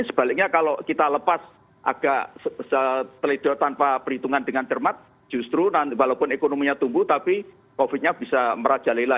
sebaliknya kalau kita lepas agak telido tanpa perhitungan dengan cermat justru walaupun ekonominya tumbuh tapi covid nya bisa merajalela